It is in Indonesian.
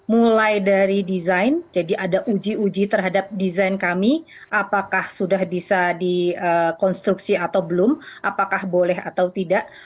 mulai dari desain jadi ada uji uji terhadap desain kami apakah sudah bisa dikonstruksi atau belum apakah boleh atau tidak